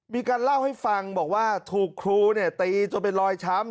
มีการเล่าให้ฟังบอกว่าถูกครูตีจนเป็นรอยช้ำ